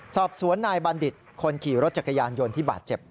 สอบสวนนายบัณฑิตคนขี่รถจักรยานยนต์ที่บาดเจ็บ